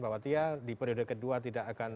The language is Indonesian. bahwa dia di periode kedua tidak akan